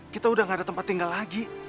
kita udah gak ada tempat tinggal lagi